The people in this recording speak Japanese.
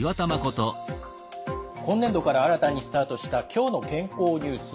今年度から新たにスタートした「きょうの健康ニュース」。